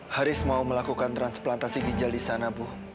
haris mau melakukan transplantasi gijal disana